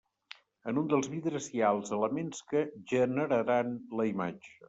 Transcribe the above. En un dels vidres hi ha els elements que generaran la imatge.